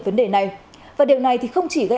vấn đề này và điều này thì không chỉ gây